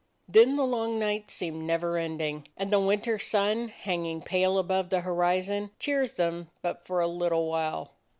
Then the long nights seem never ending, and the winter sun, hanging pale above the horizon, cheers them but for a little while.